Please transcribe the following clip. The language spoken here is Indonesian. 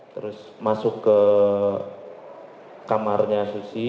terus masuk ke kamarnya susi